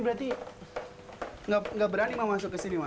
berarti nggak berani masuk ke sini mak